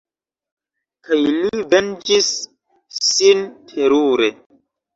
Kaj li venĝis sin terure.